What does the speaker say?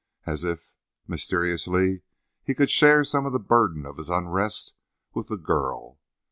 As if, mysteriously, he could share some of the burden of his unrest with the girl.